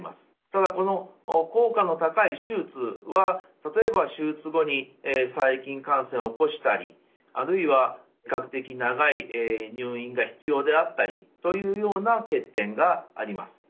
ただこの効果の高い手術は例えば手術後に細菌感染を起こしたりあるいは比較的長い入院が必要であったりというような欠点があります。